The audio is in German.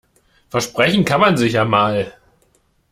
Versprechen kann man sich ja mal.